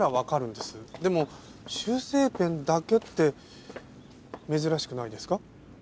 でも修正ペンだけって珍しくないですか？